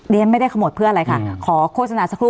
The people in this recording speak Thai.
ไม่ได้ขโมยเพื่ออะไรค่ะขอโฆษณาสักครู่